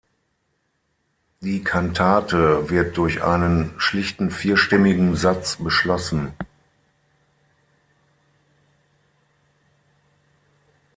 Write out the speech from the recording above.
Die Kantate wird durch einen schlichten vierstimmigen Satz beschlossen.